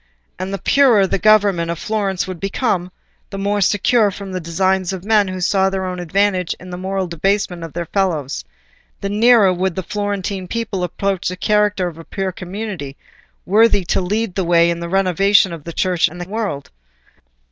And the purer the government of Florence would become—the more secure from the designs of men who saw their own advantage in the moral debasement of their fellows—the nearer would the Florentine people approach the character of a pure community, worthy to lead the way in the renovation of the Church and the world.